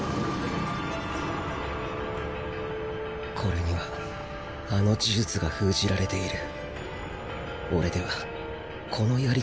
これにはあの呪術が封じられている。